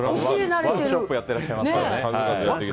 ワークショップやっていらっしゃいますから。